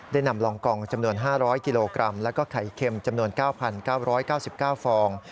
นำรองกองจำนวน๕๐๐กิโลกรัมแล้วก็ไข่เค็มจำนวน๙๙๙๙๙ฟอง